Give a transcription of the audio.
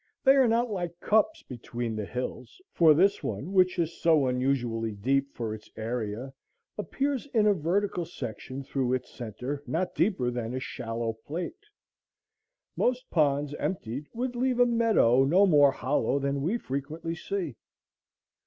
They are not like cups between the hills; for this one, which is so unusually deep for its area, appears in a vertical section through its centre not deeper than a shallow plate. Most ponds, emptied, would leave a meadow no more hollow than we frequently see.